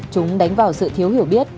chúng đánh vào sự thiếu hiểu biết